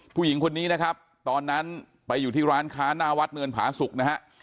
ผู้หญิงคนนี้นะครับตอนนั้นไปอยู่ที่ร้านค้าหน้าวัดเนินผาสุกนะฮะ